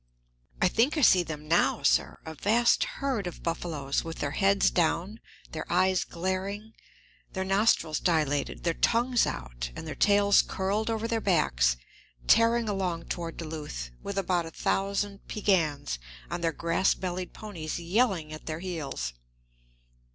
I think I see them now, sir, a vast herd of buffaloes, with their heads down, their eyes glaring, their nostrils dilated, their tongues out, and their tails curled over their backs, tearing along toward Duluth, with about a thousand Piegans on their grass bellied ponies yelling at their heels!